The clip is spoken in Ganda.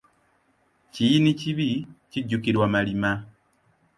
Kiyini kibi kijjukirwa malima.